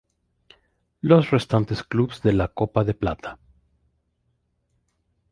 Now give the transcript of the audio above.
Los restantes clubes de la Copa de Plata.